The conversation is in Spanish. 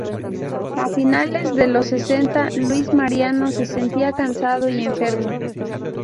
A finales de los sesenta Luis Mariano se sentía cansado y enfermo.